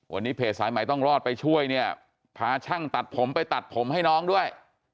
วันนี้เพจสายใหม่ต้องรอดไปช่วยเนี่ยพาช่างตัดผมไปตัดผมให้น้องด้วย